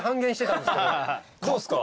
どうですか？